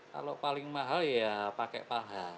kalau paling mahal ya pakai paha